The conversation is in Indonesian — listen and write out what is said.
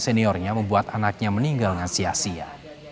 seniornya membuat anaknya meninggal dengan sia sia